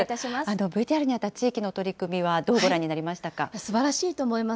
ＶＴＲにあった地域の取り組みはすばらしいと思います。